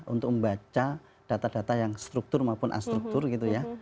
untuk membaca data data yang struktur maupun astruktur gitu ya